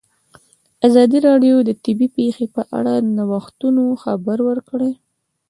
ازادي راډیو د طبیعي پېښې په اړه د نوښتونو خبر ورکړی.